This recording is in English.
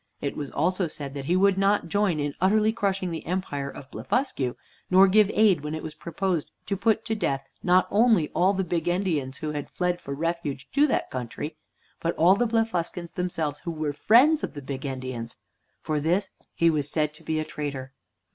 It was also said that he would not join in utterly crushing the empire of Blefuscu, nor give aid when it was proposed to put to death not only all the Big endians who had fled for refuge to that country, but all the Blefuscans themselves who were friends of the Big endians. For this he was said to be a traitor.